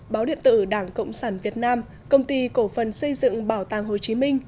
báo điện tử đảng cộng sản việt nam công ty cổ phần xây dựng bảo tàng hồ chí minh